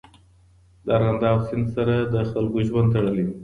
د ارغنداب سیند سره د خلکو ژوند تړلی دی.